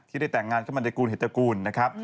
ที่ได้แต่งงานเข้ามาในกรุณเหตุกรุณนะครับ